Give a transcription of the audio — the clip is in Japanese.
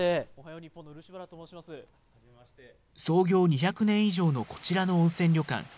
創業２００年以上のこちらの温泉旅館。